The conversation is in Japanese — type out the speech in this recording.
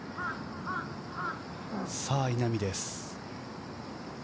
さぁ、稲見です。